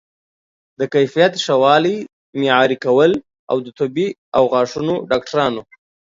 د کیفیت ښه والی معیاري کول او د طبي او غاښونو ډاکټرانو